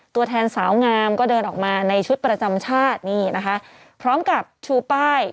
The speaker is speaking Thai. ตัวแทนสาวงามก็เดินออกมาในชุดประจำชาตินี่นะคะพร้อมกับชูป้าย